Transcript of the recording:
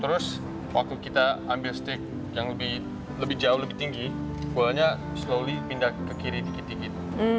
terus waktu kita ambil stick yang lebih jauh lebih tinggi bolanya slowly pindah ke kiri dikit dikit